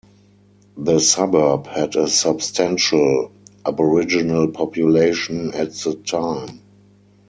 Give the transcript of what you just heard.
The suburb had a substantial Aboriginal population at the time.